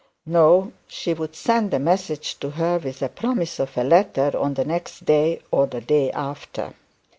No, she would send a message to her with the promise of a letter on the next day or the day after.